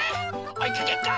おいかけっこ！